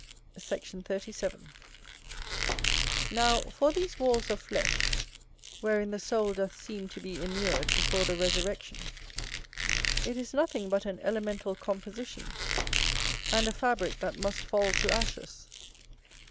Sect. 37. Now, for these walls of flesh, wherein the soul doth seem to be immured before the resurrection, it is nothing but an elemental composition, and a fabrick that must fall to ashes.